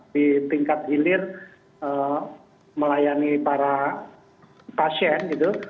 di tingkat hilir melayani para pasien gitu